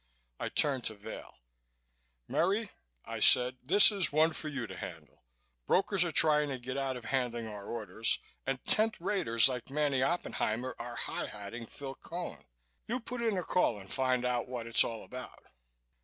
I turned to Vail. "Merry," I said, "this is one for you to handle. Brokers are trying to get out of handling our orders and tenth raters like Manny Oppenheimer are high hatting Phil Cone. You put in a call and find out what it's all about."